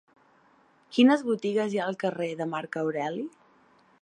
Quines botigues hi ha al carrer de Marc Aureli?